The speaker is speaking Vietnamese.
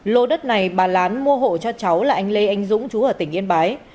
lô đất này bà lán mua hộ cho cháu là anh lê anh dũng chú ở tỉnh yên bái